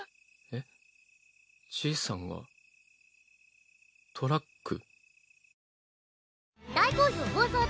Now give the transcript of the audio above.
えっじいさんがトラック？